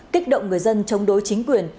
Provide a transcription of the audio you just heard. kích động người dân chống đối chính quyền